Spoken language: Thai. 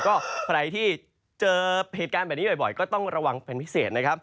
ก็ใครที่เจอเหตุการณ์แบบนี้บ่อยก็ต้องระวังเป็นพิเศษนะครับ